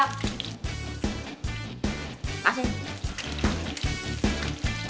apa dibuang sih